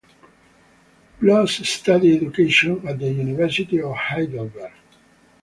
Blos studied education at the University of Heidelberg.